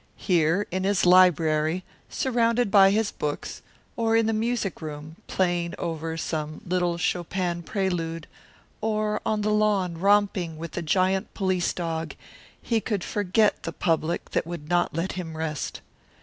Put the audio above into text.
Here, in his library, surrounded by his books, or in the music room playing over some little Chopin prelude, or on the lawn romping with the giant police dog, he could forget the public that would not let him rest.